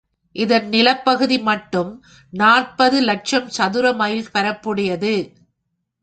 இதன் நிலப்பகுதி மட்டும் நாற்பது இலட்சம் சதுர மைல் பரப்புடையது.